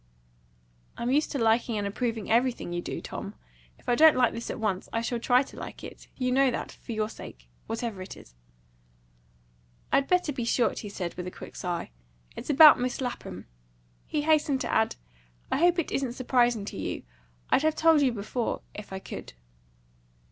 "I'm used to liking and approving everything you do, Tom. If I don't like this at once, I shall try to like it you know that for your sake, whatever it is." "I'd better be short," he said, with a quick sigh. "It's about Miss Lapham." He hastened to add, "I hope it isn't surprising to you. I'd have told you before, if I could."